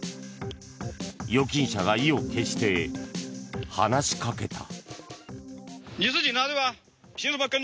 預金者が意を決して話しかけた。